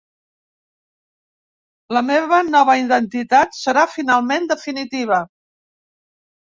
La meva nova identitat serà finalment definitiva.